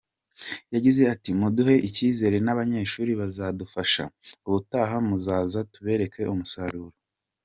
Yagize ati :”Muduhaye icyizere n’abanyeshuri bazadufasha, ubutaha muzaza tubereka umusaruro”.